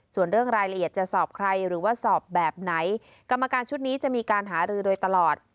ส่วนเรื่องรายละเอียดจะสอบใครหรือว่าสอบแบบไหนกรรมการชุดนี้จะมีการหารือโดยตลอด